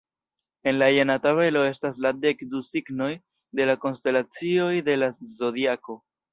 En la jena tabelo estas la dekdu signoj de la konstelacioj de la zodiako.